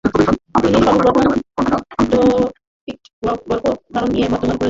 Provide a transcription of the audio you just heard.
তিনি সর্বপ্রথম এক্টোপিক গর্ভধারণ নিয়ে বর্ণনা করেছেন।